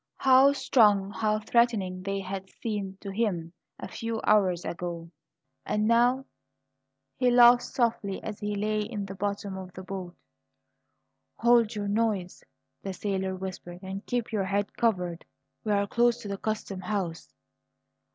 How strong, how threatening they had seemed to him a few hours ago! And now He laughed softly as he lay in the bottom of the boat. "Hold your noise," the sailor whispered, "and keep your head covered! We're close to the custom house."